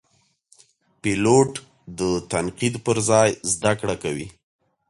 پیلوټ د تنقید پر ځای زده کړه کوي.